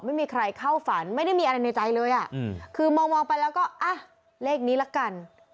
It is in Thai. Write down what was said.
ไม่มีใครเข้าฝันไม่ได้มีอะไรในใจเลยอ่ะคือมองไปแล้วก็อ่ะเลขนี้ละกัน